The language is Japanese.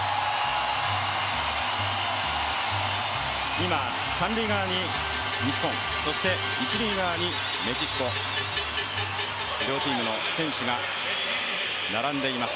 今、三塁側に日本、一塁側にメキシコ、両チームの選手が並んでいます。